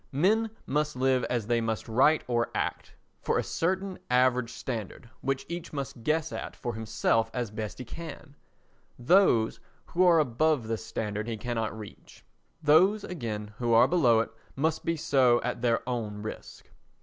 Men must live as they must write or act—for a certain average standard which each must guess at for himself as best he can; those who are above this standard he cannot reach; those, again, who are below it must be so at their own risk.